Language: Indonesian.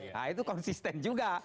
nah itu konsisten juga